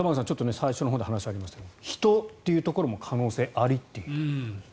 最初のほうで話がありましたが人のほうも可能性ありということです。